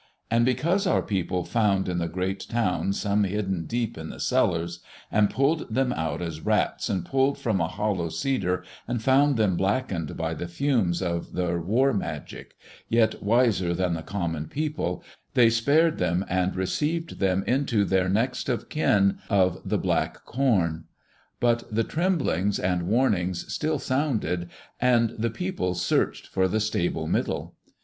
And because our people found in that great town some hidden deep in the cellars, and pulled them out as rats are pulled from a hollow cedar, and found them blackened by the fumes of their war magic, yet wiser than the common people, they spared them and received them into their next of kin of the Black Corn.... But the tremblings and warnings still sounded, and the people searched for the stable Middle.